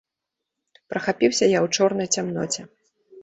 Прахапіўся я ў чорнай цямноце.